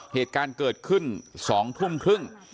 เหตุการณ์เกิดขึ้น๒ทุ่มครึ่ง